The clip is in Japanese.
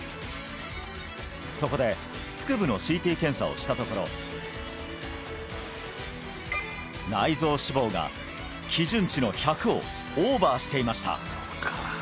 そこで腹部のＣＴ検査をしたところ内臓脂肪が基準値の１００をオーバーしていました